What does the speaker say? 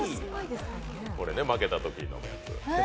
これ、負けたときのやつ。